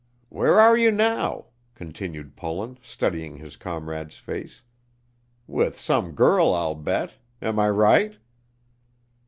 "Where are you now?" continued Pullen, studying his comrade's face. "With some girl, I'll bet; am I right?"